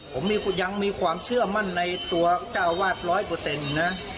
ผมยังมีความเชื่อมั่นในตัวเจ้าอาวาส๑๐๐นะ